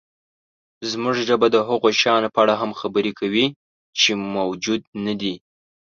زموږ ژبه د هغو شیانو په اړه هم خبرې کوي، چې موجود نهدي.